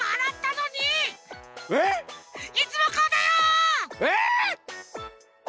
いつもこうだよ！え！？